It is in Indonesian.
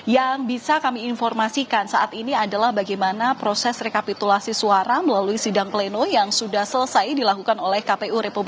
yang bisa kami informasikan saat ini adalah bagaimana proses rekapitulasi suara melalui sidang pleno yang sudah selesai dilakukan oleh kpu